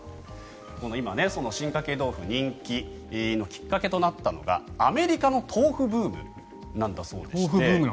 今、進化系豆腐人気のきっかけとなったのがアメリカの豆腐ブームなんだそうでして。